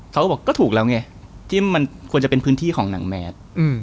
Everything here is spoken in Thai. เขาก็บอกก็ถูกแล้วไงที่มันควรจะเป็นพื้นที่ของหนังแมส